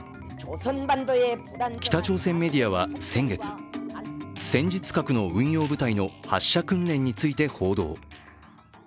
北朝鮮メディアは先月、戦術核の運用部隊の発射訓練について報道。